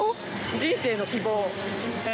人生の希望。